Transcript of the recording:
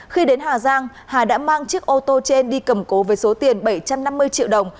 khi đến hà giang hà đã mang chiếc ô tô trên đi cầm cố với số tiền bảy trăm năm mươi triệu đồng